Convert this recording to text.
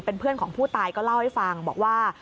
เป็นเพื่อนของผู้ตายก็เล่าให้ฟังบอกว่า